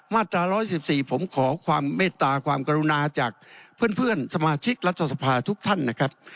มาตรา๑๑๔ผมขอความเมตตาความกรุณาจากเพื่อนสมาชิกรัฐสภาทุกท่านนะครับ